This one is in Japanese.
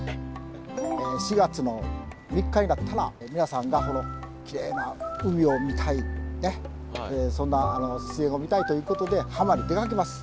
４月の３日になったら皆さんがきれいな海を見たいそんな自然を見たいということで浜に出かけます。